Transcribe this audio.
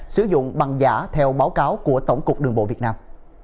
sử dụng bằng giả theo báo cáo của tổng cục đường bộ việt nam